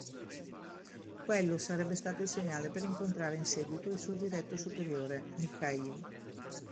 Quello sarebbe stato il segnale per incontrare in seguito il suo diretto superiore, "Mikhail".